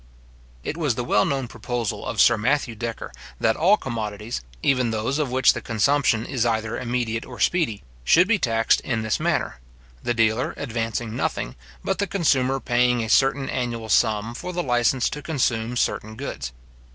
It was the well known proposal of Sir Matthew Decker, that all commodities, even those of which the consumption is either immediate or speedy, should be taxed in this manner; the dealer advancing nothing, but the consumer paying a certain annual sum for the licence to consume certain goods.